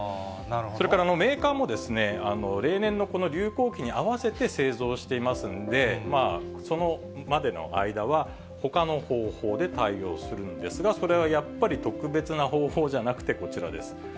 それからメーカーも、例年のこの流行期に合わせて製造していますんで、それまでの間は、ほかの方法で対応するんですが、それはやっぱり特別な方法じゃなくて、こちらです。